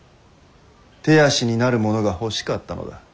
手足になる者が欲しかったのだ。